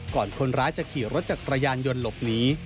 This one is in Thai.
คนร้ายจะขี่รถจักรยานยนต์หลบหนี